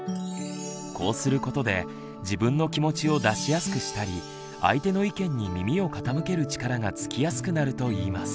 こうすることで自分の気持ちを出しやすくしたり相手の意見に耳を傾ける力がつきやすくなるといいます。